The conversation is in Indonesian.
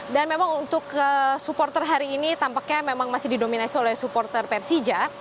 dan memang untuk supporter hari ini tampaknya memang masih didominasi oleh supporter persija